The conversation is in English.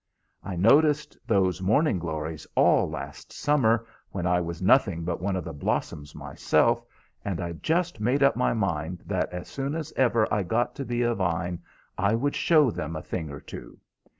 I noticed those morning glories all last summer, when I was nothing but one of the blossoms myself, and I just made up my mind that as soon as ever I got to be a vine, I would show them a thing or two.